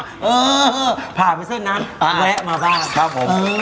ต้องไปได้เสินนั้นแวะแล้วก็มาบ้านแรง